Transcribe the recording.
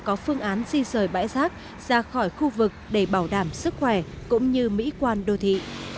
có phương án di rời bãi rác ra khỏi khu vực để bảo đảm sức khỏe cũng như mỹ quan đô thị